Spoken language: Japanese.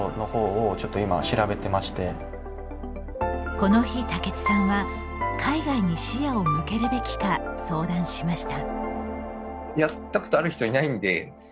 この日、武智さんは海外に視野を向けるべきか相談しました。